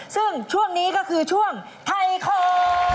ซึ่งช่วงนี้ก็คือช่วงไทยของ